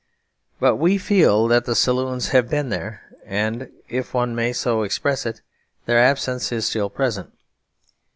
But we feel that the saloons have been there; if one may so express it, their absence is still present.